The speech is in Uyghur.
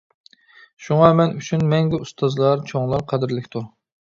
شۇڭا مەن ئۈچۈن مەڭگۈ ئۇستازلار، چوڭلار قەدىرلىكتۇر.